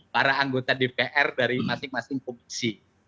para anggota dpr dari masing masing komisi